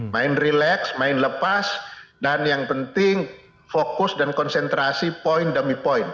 main relax main lepas dan yang penting fokus dan konsentrasi poin demi poin